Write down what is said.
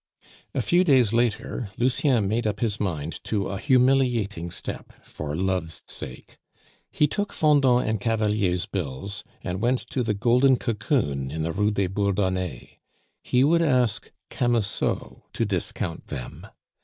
A few days later, Lucien made up his mind to a humiliating step for love's sake. He took Fendant and Cavalier's bills, and went to the Golden Cocoon in the Rue des Bourdonnais. He would ask Camusot to discount them.